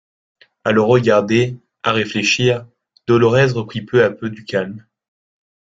A le regarder, à réfléchir, Dolorès reprit peu à peu du calme.